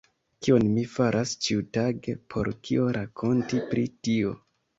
Kion mi faras ĉiutage; por kio rakonti pri tio!